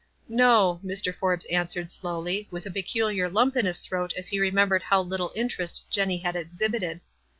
"No," Mr. Forbes answered, slowly, with a peculiar lump in his throat as he remembered how little interest Jenny had exhibited.